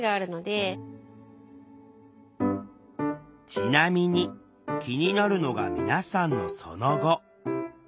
ちなみに気になるのが皆さんのその後。